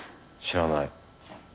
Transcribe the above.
知らない。